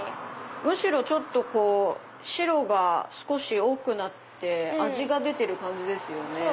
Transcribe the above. むしろ白が少し多くなって味が出てる感じですよね。